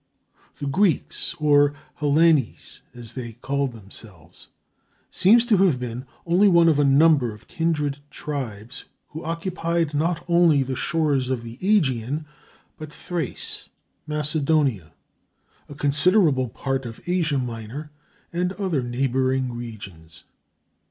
The Greeks, or Hellenes as they called themselves, seem to have been only one of a number of kindred tribes who occupied not only the shores of the Ægean, but Thrace, Macedonia, a considerable part of Asia Minor, and other neighboring regions.